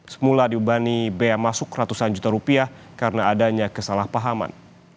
semula diubani bea masuk ratusan juta rupiah karena adanya kesalahpahaman